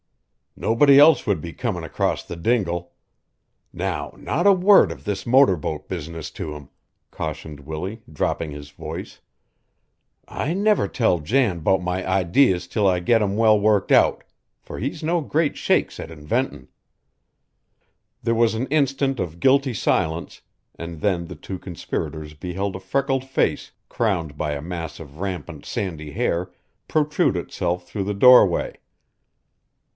Nobody else would be comin' across the dingle. Now not a word of this motor boat business to him," cautioned Willie, dropping his voice. "I never tell Jan 'bout my idees 'till I get 'em well worked out, for he's no great shakes at inventin'." There was an instant of guilty silence, and then the two conspirators beheld a freckled face, crowned by a mass of rampant sandy hair, protrude itself through the doorway.